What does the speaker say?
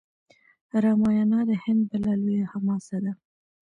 راماینا د هند بله لویه حماسه ده.